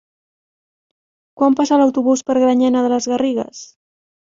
Quan passa l'autobús per Granyena de les Garrigues?